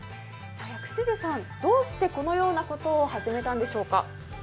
薬師寺さん、どうしてこのようなことを始めたんでしょうか？